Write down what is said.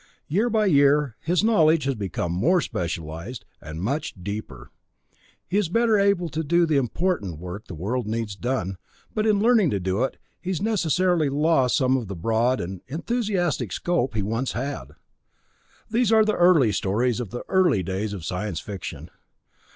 Year by year, his knowledge has become more specialized, and much deeper. He's better and better able to do the important work the world needs done, but in learning to do it, he's necessarily lost some of the broad and enthusiastic scope he once had. These are early stories of the early days of science fiction.